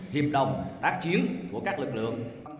hiệp đồng tác chiến của các lực lượng